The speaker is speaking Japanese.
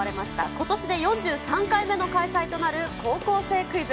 ことしで４３回目の開催となる高校生クイズ。